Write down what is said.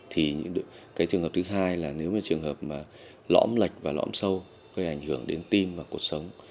thì cái trường hợp thứ hai là nếu như trường hợp mà lõm lệch và lõm sâu gây ảnh hưởng đến tim và cuộc sống